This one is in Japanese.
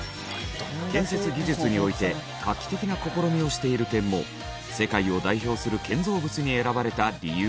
建設技術において画期的な試みをしている点も世界を代表する建造物に選ばれた理由。